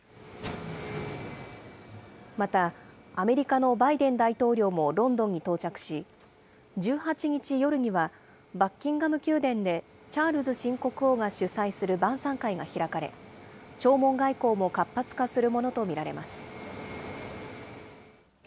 また、アメリカのバイデン大統領もロンドンに到着し、１８日夜には、バッキンガム宮殿でチャールズ新国王が主催する晩さん会が開かれ、弔問外交も活発化するものと見られます。